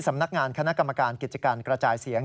สำนักงานคณะกรรมการกิจการกระจายเสียง